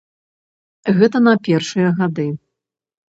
Гэта на першыя гады.